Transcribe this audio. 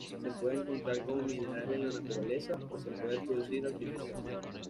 Se puede encontrar como mineral en la naturaleza o se puede producir artificialmente.